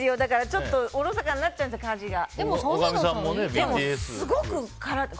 ちょっとおろそかになっちゃうんですよ、家事が。